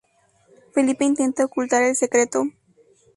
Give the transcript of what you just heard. Felipe intenta ocultar el secreto.